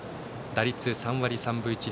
打率３割３分１厘。